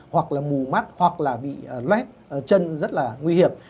hoặc là mù mắt hoặc là bị lét chân rất là nguy hiểm